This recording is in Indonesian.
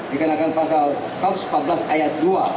dikenakan pasal satu ratus empat belas ayat dua